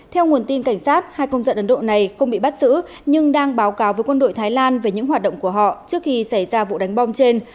theo nguồn tin cảnh sát hai công dân ấn độ này không bị bắt giữ nhưng đang báo cáo với quân đội thái lan về những hoạt động của họ trước khi xảy ra vụ đánh bom trên